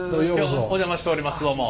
お邪魔しておりますどうも。